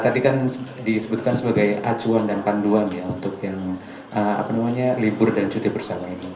tadi kan disebutkan sebagai acuan dan panduan ya untuk yang libur dan cuti bersama ini